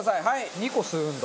２個吸うんだ。